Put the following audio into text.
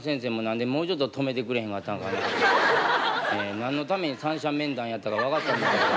何のために三者面談やったか分かってんのかいな。